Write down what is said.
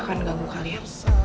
aku gak akan ganggu kalian